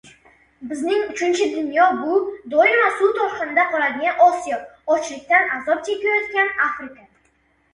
Bizning “uchinchi dunyo” bu — doimo suv toshqinida qoladigan Osiyo, ochlikdan azob chekayotgan Afrika